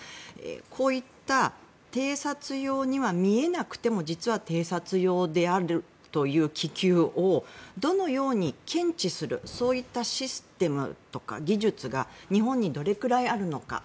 こういった偵察用には見えなくても実は偵察用であるという気球をどのように検知するそういったシステムとか技術が日本にどれくらいあるのか。